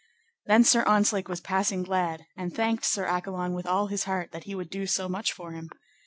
Then Sir Ontzlake was passing glad, and thanked Sir Accolon with all his heart that he would do so much for him.